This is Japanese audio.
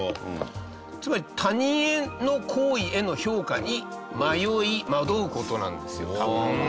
つまり他人の行為への評価に迷い惑う事なんですよ。